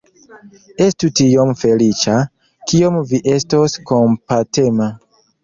Estu tiom feliĉa, kiom vi estos kompatema!